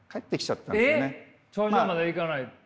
頂上まで行かないで？